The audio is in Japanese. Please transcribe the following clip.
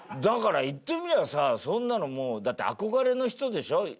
だから言ってみりゃさそんなのもうだって憧れの人でしょ？